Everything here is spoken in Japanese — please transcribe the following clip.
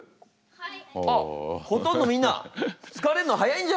はい。